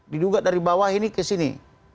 diduga dari bawah ini ke sini